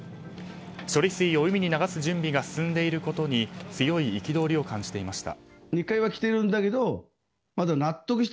処理水を海に流す準備が進んでいることに強い憤りを感じていました。